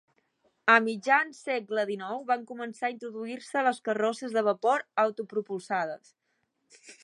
A mitjan segle XIX van començar a introduir-se les carrosses de vapor autopropulsades.